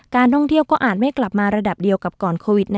การท่องเที่ยวก็อาจไม่กลับมาระดับเดียวกับก่อนโควิด